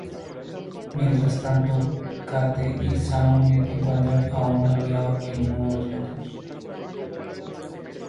Mientras tanto, Kate y Sawyer encuentran a un aliado en uno de Los Otros.